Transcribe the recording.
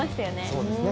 そうですね。